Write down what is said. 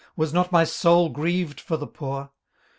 was not my soul grieved for the poor?